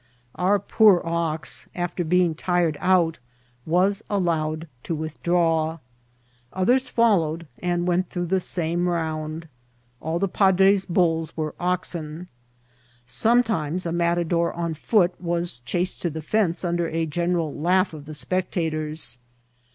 Our poor ox, after being tired out, was allowed to withdraw. Others followed, and went through the same round. All the padre's bulls were oxen. Sometimes a matador on foot was chased to the fence under a general laugh of the spectators.